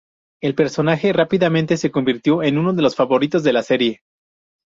El personaje rápidamente se convirtió en uno de los favoritos de la serie.